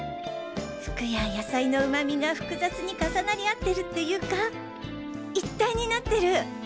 ふくや野菜のうまみが複雑に重なり合ってるっていうか一体になってる。